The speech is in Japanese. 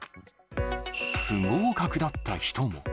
不合格だった人も。